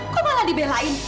kok malah dibelain